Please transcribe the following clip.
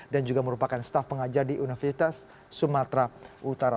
dan juga merupakan staf pengajar di universitas sumatera utara